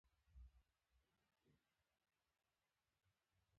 پکورې له ښایسته لاسونو جوړېږي